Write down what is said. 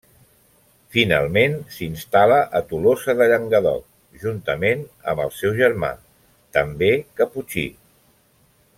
Finalment s'instal·la a Tolosa de Llenguadoc, juntament amb el seu germà, també caputxí.